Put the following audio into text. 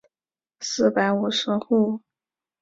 四百五十户。